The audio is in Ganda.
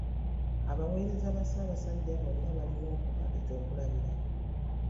Abaweereza ba Ssaabasajja bonna balina okuba ekyokulabirako.